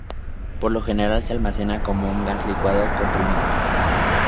Por lo general se almacena como un gas licuado comprimido.